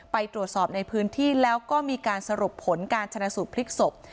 ไปตรวจสอบในพื้นที่แล้วก็มีการสรุปผลการชนะสูตรพลิกศพ